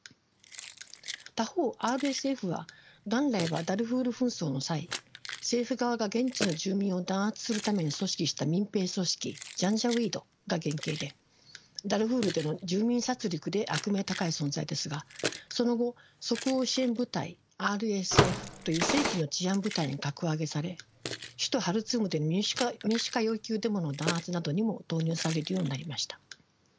他方ＲＳＦは元来はダルフール紛争の際政府側が現地の住民を弾圧するために組織した民兵組織ジャンジャウィードが原型でダルフールでの住民殺りくで悪名高い存在ですがその後即応支援部隊ＲＳＦという正規の治安部隊に格上げされ首都ハルツームでの民主化要求デモの弾圧などにも投入されるようになりました。